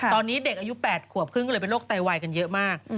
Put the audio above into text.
ตอนนี้เด็กอายุ๘ขวบครึ่งก็เลยเป็นโรคไตวายกันเยอะมาก